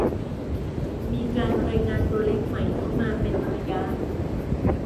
มีการรายงานตัวเลขใหม่เข้ามาเป็นระยะ